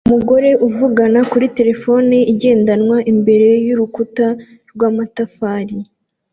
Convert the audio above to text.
Umugore uvugana kuri terefone igendanwa imbere yurukuta rwamatafari